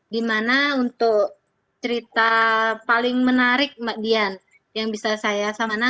dimana untuk cerita paling menarik mbak dian yang bisa saya samana